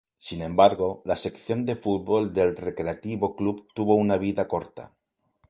Sin embargo, la sección de fútbol del Recreation Club tuvo una vida corta.